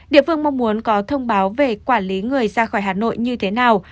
địa phương mong muốn có thông báo về quản lý người ra khỏi hà nội như thế nào